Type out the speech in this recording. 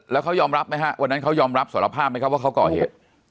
แล้วเขายอมรับไหมฮะวันนั้นเขายอมรับสารภาพไหมครับว่าเขาก่อเหตุ